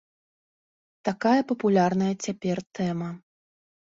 Такая папулярная цяпер тэма.